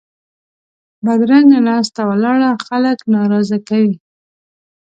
بدرنګه ناسته ولاړه خلک ناراضه کوي